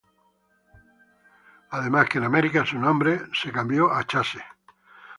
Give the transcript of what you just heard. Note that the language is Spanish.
Además que en america su nombre fue cambiado a chase.